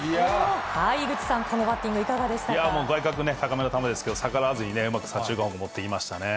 井口さん、このバッティングいかいやもう、外角ね、高めの球でしたけれども、逆らわずにうまく左中間にもっていきましたね。